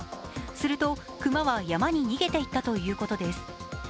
すると熊は山に逃げていったということです。